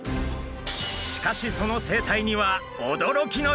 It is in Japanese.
しかしその生態には驚きの秘密も！